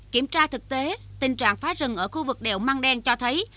kiểm tra thực tế tình trạng phá rừng ở khu vực đèo măng đen cho thấy